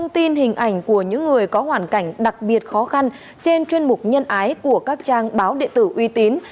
tin hình ảnh của những người có hoàn cảnh đặc biệt khó khăn trên chuyên mục nhân ái của các trang báo địa tử uy tín